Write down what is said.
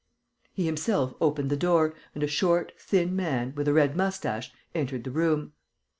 He himself opened the door, and a short, thin man, with a red moustache, entered the room.